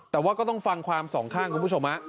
แต่ว่าก็ต้องฟังความสองข้างคุณผู้ชม